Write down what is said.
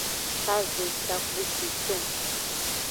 Kave takpuciton.